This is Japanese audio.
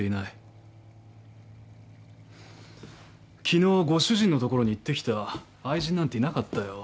昨日ご主人のところに行ってきたが愛人なんていなかったよ。